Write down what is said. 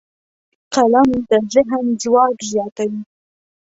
قلم د ذهن ځواک زیاتوي